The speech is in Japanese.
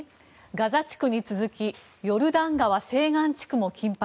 ガザ地区に続きヨルダン川西岸地区も緊迫。